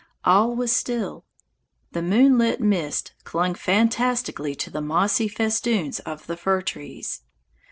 All was still. The moonlit mist clung fantastically to the mossy festoons of the fir trees.